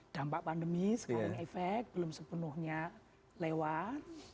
dampak pandemi sekarang efek belum sepenuhnya lewat